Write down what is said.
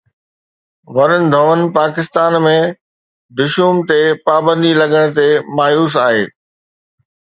ورن ڌون پاڪستان ۾ دشوم تي پابندي لڳڻ تي مايوس آهي